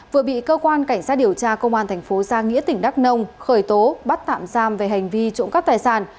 vừa bị cơ quan cảnh sát điều tra công an tp gia nghĩa tỉnh đắk nông khởi tố bắt tạm giam về hành vi trộm cắp tài sản